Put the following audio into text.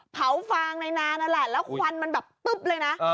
ฟางในนานนั่นแหละแล้วควันมันแบบตึ๊บเลยนะ